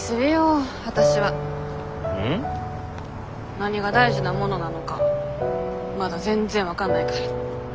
何が大事なものなのかまだ全然分かんないから。